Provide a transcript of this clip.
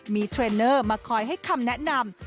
มีเทรนเนอร์มาคอยให้คำแนะนำ